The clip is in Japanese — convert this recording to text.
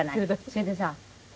それでさ